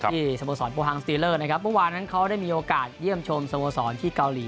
สโมสรโปฮังสตีเลอร์นะครับเมื่อวานนั้นเขาได้มีโอกาสเยี่ยมชมสโมสรที่เกาหลี